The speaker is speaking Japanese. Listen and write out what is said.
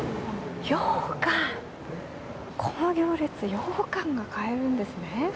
この行列羊羹が買えるんですね。